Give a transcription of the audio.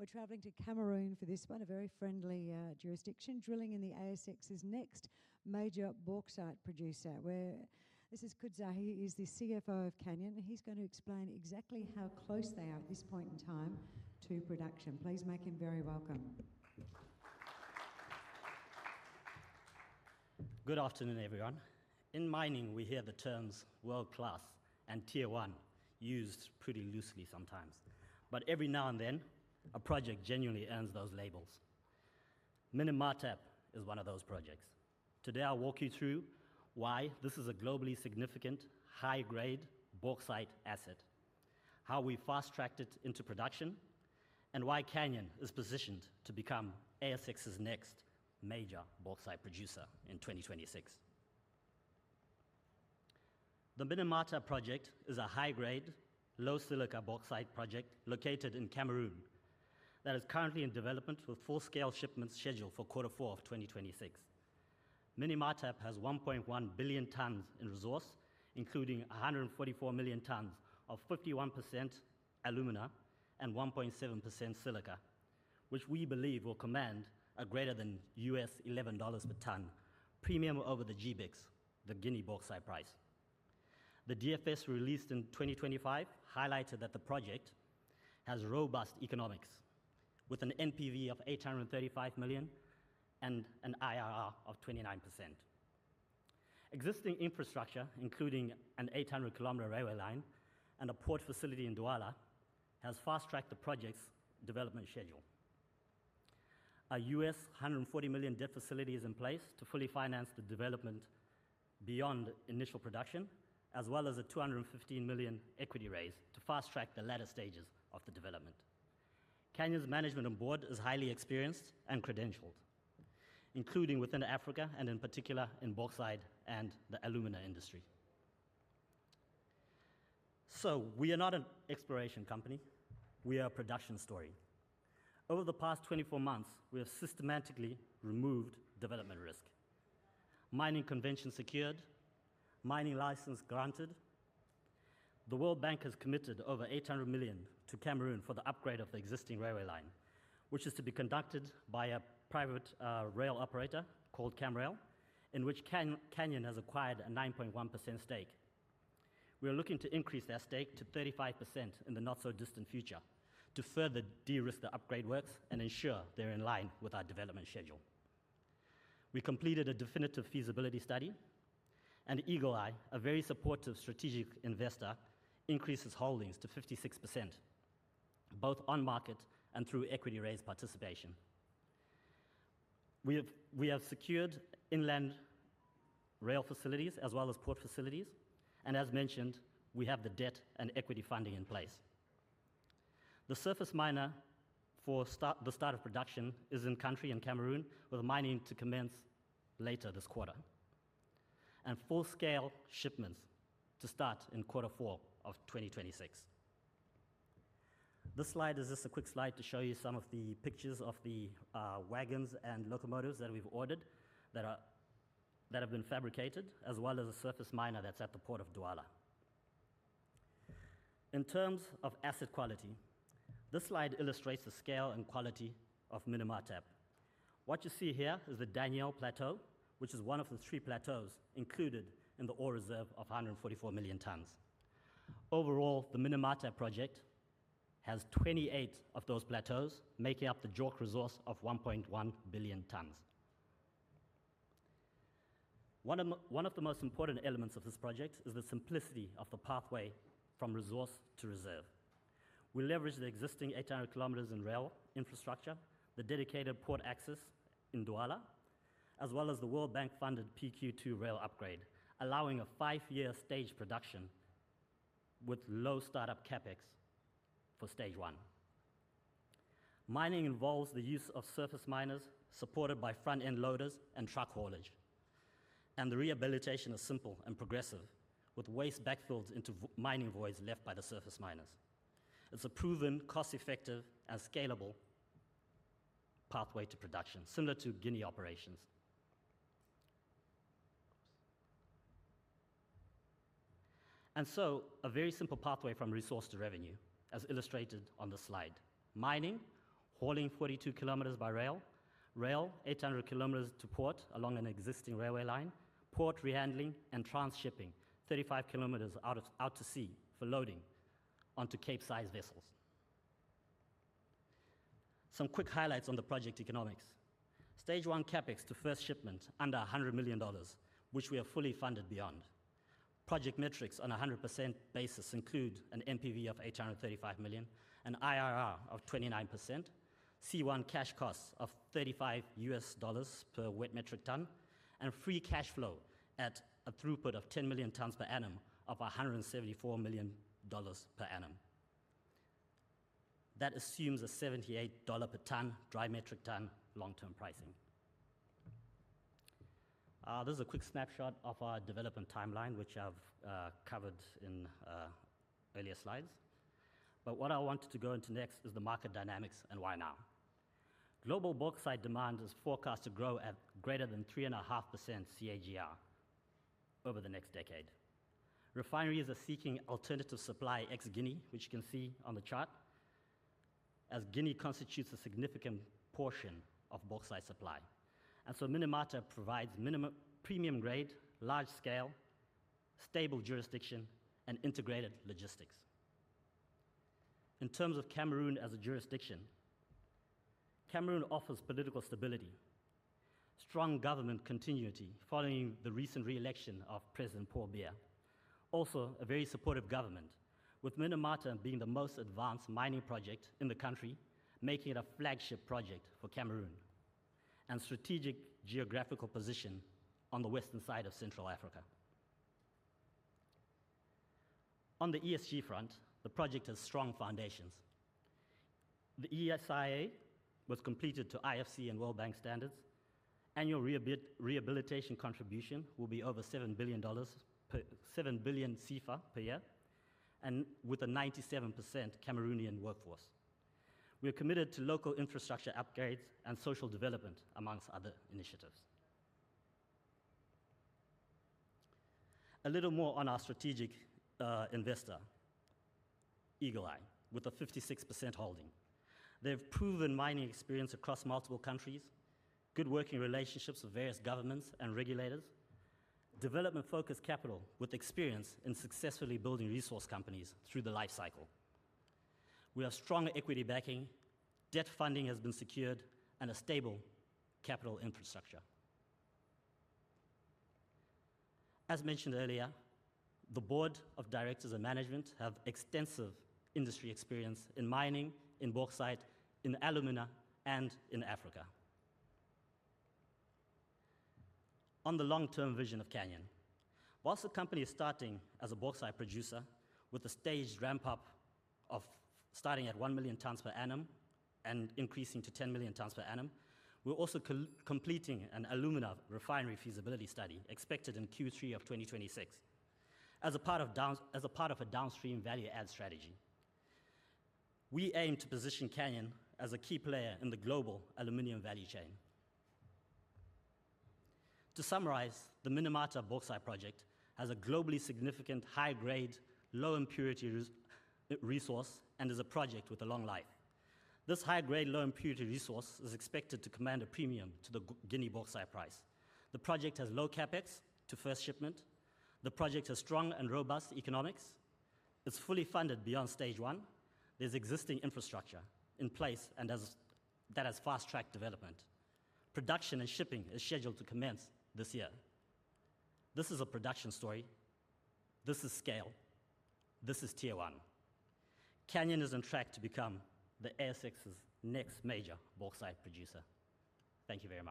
We're traveling to Cameroon for this one, a very friendly jurisdiction, drilling in the ASX's next major bauxite producer, where this is Kudzai. He is the CFO of Canyon, and he's going to explain exactly how close they are at this point in time to production. Please make him very welcome. Good afternoon, everyone. In mining, we hear the terms world-class and tier one used pretty loosely sometimes, but every now and then, a project genuinely earns those labels. Minim Martap is one of those projects. Today, I'll walk you through why this is a globally significant, high-grade bauxite asset, how we fast-tracked it into production, and why Canyon is positioned to become ASX's next major bauxite producer in 2026. The Minim Martap project is a high-grade, low-silica bauxite project located in Cameroon that is currently in development with full-scale shipments scheduled for quarter four of 2026. Minim Martap has 1.1 billion tonnes in resource, including 144 million tonnes of 51% alumina and 1.7% silica, which we believe will command a greater than $11 per tonne premium over the GBEX, the Guinea bauxite price. The DFS, released in 2025, highlighted that the project has robust economics, with an NPV of $835 million and an IRR of 29%. Existing infrastructure, including an 800-kilometer railway line and a port facility in Douala, has fast-tracked the project's development schedule. A $140 million debt facility is in place to fully finance the development beyond initial production, as well as a $215 million equity raise to fast-track the latter stages of the development. Canyon's management and board is highly experienced and credentialed, including within Africa and in particular in bauxite and the alumina industry. So we are not an exploration company. We are a production story. Over the past 24 months, we have systematically removed development risk. Mining convention secured, mining license granted. The World Bank has committed over $800 million to Cameroon for the upgrade of the existing railway line, which is to be conducted by a private rail operator called Camrail, in which Canyon has acquired a 9.1% stake. We are looking to increase that stake to 35% in the not-so-distant future to further de-risk the upgrade works and ensure they're in line with our development schedule. We completed a definitive feasibility study, and Eagle Eye, a very supportive strategic investor, increased its holdings to 56%, both on-market and through equity raise participation. We have secured inland rail facilities as well as port facilities, and as mentioned, we have the debt and equity funding in place. The surface miner for the start of production is in country, in Cameroon, with mining to commence later this quarter, and full-scale shipments to start in quarter four of 2026. This slide is just a quick slide to show you some of the pictures of the wagons and locomotives that we've ordered that are, that have been fabricated, as well as a surface miner that's at the port of Douala. In terms of asset quality, this slide illustrates the scale and quality of Minim Martap. What you see here is the Danielle Plateau, which is one of the three plateaus included in the ore reserve of 144 million tonnes. Overall, the Minim Martap project has 28 of those plateaus, making up the JORC resource of 1.1 billion tonnes. One of the most important elements of this project is the simplicity of the pathway from resource to reserve. We leverage the existing 800 km in rail infrastructure, the dedicated port access in Douala, as well as the World Bank-funded PQ2 rail upgrade, allowing a five-year staged production with low startup CapEx for stage one. Mining involves the use of surface miners supported by front-end loaders and truck haulage, and the rehabilitation is simple and progressive, with waste backfilled into the mining voids left by the surface miners. It's a proven, cost-effective, and scalable pathway to production, similar to Guinea operations. A very simple pathway from resource to revenue, as illustrated on the slide. Mining, hauling 42 kilometers by rail, 800 kilometers to port along an existing railway line, port rehandling, and transshipping 35 kilometers out to sea for loading onto Capesize vessels. Some quick highlights on the project economics. Stage 1 CapEx to first shipment, under $100 million, which we are fully funded beyond. Project metrics on a 100% basis include an NPV of $835 million, an IRR of 29%, C1 cash costs of $35 per wet metric tonne, and free cash flow at a throughput of 10 million tonnes per annum of $174 million per annum. That assumes a $78 per tonne dry metric tonne long-term pricing. This is a quick snapshot of our development timeline, which I've covered in earlier slides. But what I wanted to go into next is the market dynamics and why now? Global bauxite demand is forecast to grow at greater than 3.5% CAGR over the next decade. Refineries are seeking alternative supply ex-Guinea, which you can see on the chart, as Guinea constitutes a significant portion of bauxite supply. And so Minim Martap provides premium grade, large scale, stable jurisdiction, and integrated logistics. In terms of Cameroon as a jurisdiction, Cameroon offers political stability, strong government continuity following the recent re-election of President Paul Biya. Also, a very supportive government, with Minim Martap being the most advanced mining project in the country, making it a flagship project for Cameroon, and strategic geographical position on the western side of Central Africa. On the ESG front, the project has strong foundations. The ESIA was completed to IFC and World Bank standards. Annual rehabilitation contribution will be over XAF 7 billion per year, and with a 97% Cameroonian workforce. We are committed to local infrastructure upgrades and social development, among other initiatives. A little more on our strategic investor, Eagle Eye, with a 56% holding. They have proven mining experience across multiple countries, good working relationships with various governments and regulators, development-focused capital with experience in successfully building resource companies through the lifecycle. We have strong equity backing, debt funding has been secured, and a stable capital infrastructure. As mentioned earlier, the board of directors and management have extensive industry experience in mining, in bauxite, in alumina, and in Africa. On the long-term vision of Canyon. While the company is starting as a bauxite producer with a staged ramp-up of starting at 1 million tons per annum and increasing to 10 million tons per annum, we're also completing an alumina refinery feasibility study expected in Q3 of 2026. As a part of a downstream value add strategy, we aim to position Canyon as a key player in the global aluminum value chain. To summarize, the Minim Martap Bauxite Project has a globally significant, high-grade, low-impurity resource and is a project with a long life. This high-grade, low-impurity resource is expected to command a premium to the Guinea bauxite price. The project has low CapEx to first shipment. The project has strong and robust economics. It's fully funded beyond stage one. There's existing infrastructure in place, and that has fast-tracked development. Production and shipping is scheduled to commence this year. This is a production story. This is scale. This is tier one. Canyon is on track to become the ASX's next major bauxite producer. Thank you very much.